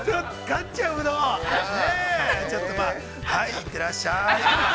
◆行ってらっしゃい。